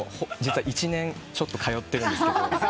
実は１年ちょっと通ってるんですけど。